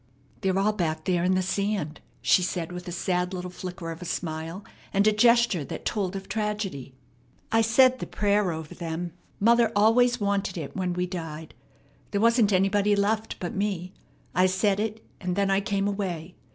"They're all back there in the sand," she said with a sad little flicker of a smile and a gesture that told of tragedy. "I said the prayer over them. Mother always wanted it when we died. There wasn't anybody left but me. I said it, and then I came away.